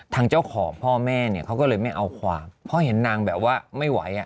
ทางเจ้าของพ่อแม่เนี่ยเขาก็เลยไม่เอาความเพราะเห็นนางแบบว่าไม่ไหวอ่ะ